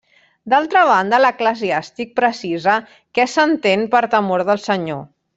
D'altra banda, l'Eclesiàstic precisa què s'entén per temor del Senyor.